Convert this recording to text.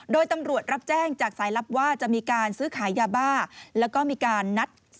โดยตำรวจรับแจ้งจากสายลับว่าจะมีการซื้อขายยาบ้า